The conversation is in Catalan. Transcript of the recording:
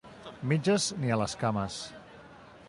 Mitges, ni a les cames.